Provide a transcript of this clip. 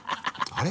あれ？